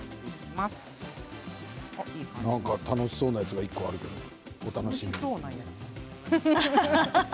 なんか楽しそうなやつが１個あるけど、お楽しみ？